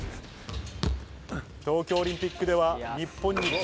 東京オリンピックでは、日本に。